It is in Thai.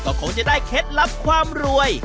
ก็คงจะได้เคล็ดลับความรวย